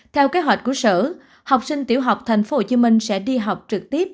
theo kế hoạch của sở học sinh tiểu học tp hcm sẽ đi học trực tiếp